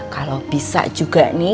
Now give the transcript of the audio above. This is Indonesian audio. kalau bisa juga nih